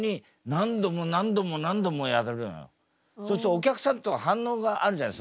そうするとお客さんとか反応があるじゃない？